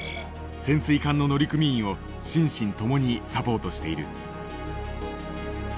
潜水艦の乗組員を心身ともにサポートしている。